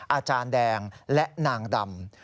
อาจารย์แดงและนางดำ